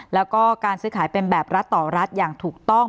แล้วก็การซื้อขายเป็นแบบรัฐต่อรัฐอย่างถูกต้อง